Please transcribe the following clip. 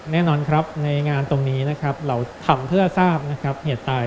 แน่นอนในงานตรงนี้เราทำเพื่อทราบเหตุตาย